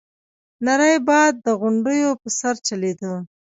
نری باد د غونډيو په سر چلېده.